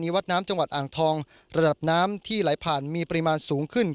วัดน้ำจังหวัดอ่างทองระดับน้ำที่ไหลผ่านมีปริมาณสูงขึ้น